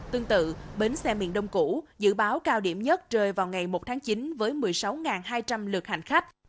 tương tự bến xe miền đông củ dự báo cao điểm nhất rơi vào ngày một tháng chín với một mươi sáu hai trăm linh lượt hành khách